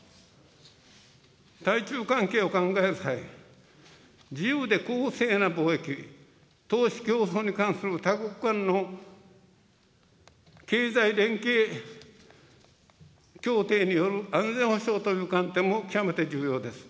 対中関係を考える際、自由で公正な貿易、投資、競争に関する多国間の経済連携協定による安全保障という観点も極めて重要です。